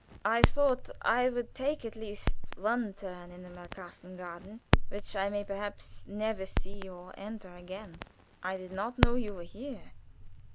I thought I would take at least one turn in the Malkasten garden, which I may perhaps never see or enter again. I did not know you were here."